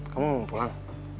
kamu mau pulang